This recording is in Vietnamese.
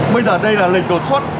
bây giờ đây là lệnh đột xuất